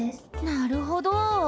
なるほど。